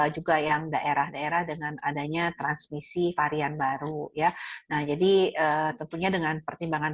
juga yang daerah daerah dengan adanya transmisi varian baru ya nah jadi tentunya dengan pertimbangan